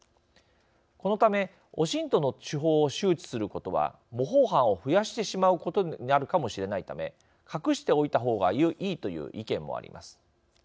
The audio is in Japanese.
このため、ＯＳＩＮＴの手法を周知することは、模倣犯を増やしてしまうことになるかもしれないため隠しておいた方がいいという意見もあります。